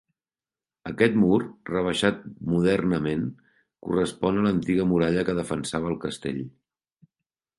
Aquest mur, rebaixat modernament, correspon a l'antiga muralla que defensava el castell.